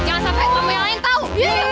jangan sampai kamu yang lain tau